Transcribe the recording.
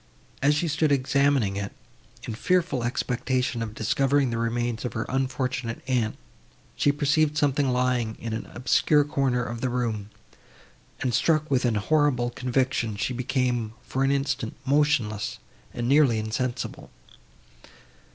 As she stood examining it, in fearful expectation of discovering the remains of her unfortunate aunt, she perceived something lying in an obscure corner of the room, and, struck with a horrible conviction, she became, for an instant, motionless and nearly insensible.